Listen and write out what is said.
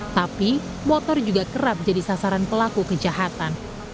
tapi motor juga kerap jadi sasaran pelaku kejahatan